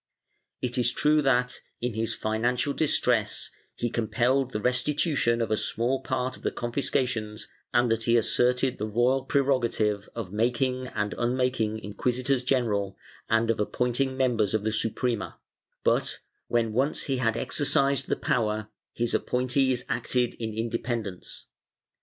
It is true that, in his financial distress, he compelled the restitution of a small part of the confiscations and that he asserted the royal prerogative of making and unmaking inquisitors general and of appointing members of the Suprema but, when once he had exercised the power, his appointees acted in independence.